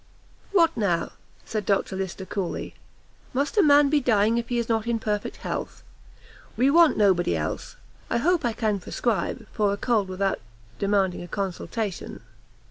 "What now?" said Dr Lyster, coolly; "must a man be dying if he is not in perfect health? we want nobody else; I hope I can prescribe for a cold without demanding a consultation?"